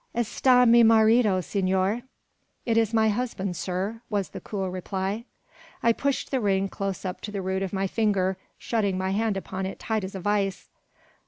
"Esta mi marido, senor," (It is my husband, sir), was the cool reply. I pushed the ring close up to the root of my finger, shutting my hand upon it tight as a vice.